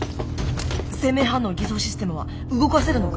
生命反応偽装システムは動かせるのか？